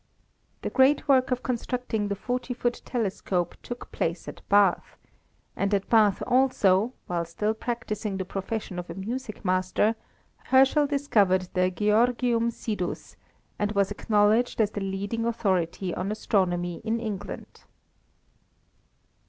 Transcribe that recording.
The great work of constructing the forty foot telescope took place at Bath; and at Bath also, while still practising the profession of a music master, Herschel discovered the Georgium Sidus, and was acknowledged as the leading authority on astronomy in England.